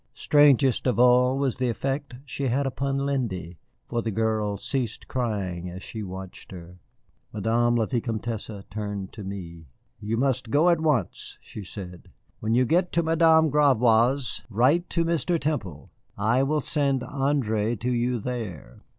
Strangest of all was the effect she had upon Lindy, for the girl ceased crying as she watched her. Madame la Vicomtesse turned to me. "You must go at once," she said. "When you get to Madame Gravois's, write to Mr. Temple. I will send André to you there."